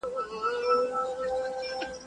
چاړه چي د زرو سي، بيا ئې هم څوک په نس نه چخي.